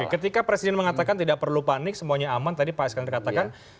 oke ketika presiden mengatakan tidak perlu panik semuanya aman tadi pak eskan terkatakan